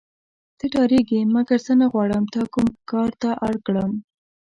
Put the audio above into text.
ته ډارېږې مګر زه نه غواړم تا کوم کار ته اړ کړم.